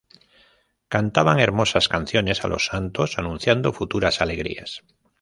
Cantaban hermosas canciones a los santos, anunciando futuras alegrías.